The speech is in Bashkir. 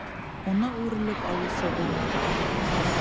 Уны үрелеп алыусы булманы.